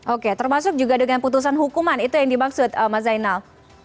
oke termasuk juga dengan putusan hukuman itu yang dimaksud mas zainal